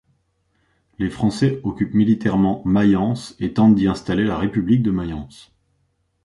Les Français occupent militairement Mayence et tentent d'y installer la république de Mayence.